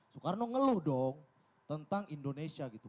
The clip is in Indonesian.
soekarno ngeluh dong tentang indonesia gitu